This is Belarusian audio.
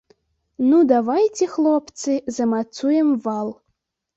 Ну, давайце, хлопцы, замацуем вал.